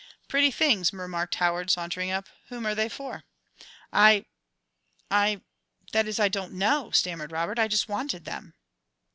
"Pretty things," remarked Howard, sauntering up. "Whom are they for?" "I I that is, I don't know," stammered Robert. "I just wanted them."